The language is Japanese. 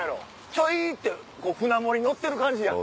ちょいって舟盛りのってる感じやん。